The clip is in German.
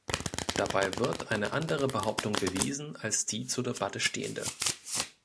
Dabei wird eine andere Behauptung bewiesen als die zur Debatte stehende.